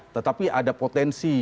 tetapi ada potensi